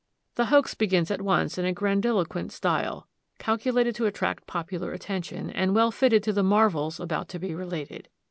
The hoax begins at once in a grandiloquent style, calculated to attract popular attention, and well fitted to the marvels about to be related.